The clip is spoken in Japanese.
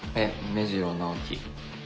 目白直紀。